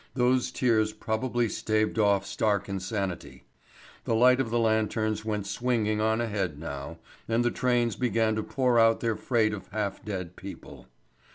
Those tears probably staved off stark insanity. The light of the lanterns went swinging on ahead now, and the trains began to pour out their freight of half dead people.